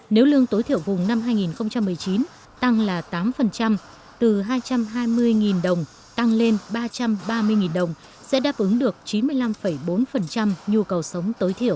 nếu lương tối thiểu vùng năm hai nghìn một mươi chín tăng là tám từ hai trăm hai mươi đồng tăng lên ba trăm ba mươi đồng